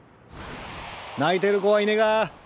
泣いてる子はいねが。